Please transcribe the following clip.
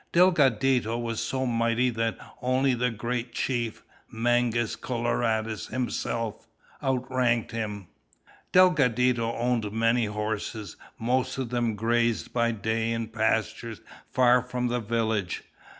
Delgadito was so mighty that only the great chief, Mangus Coloradus himself, outranked him. Delgadito owned many horses. Most of them grazed by day in pastures far from the village.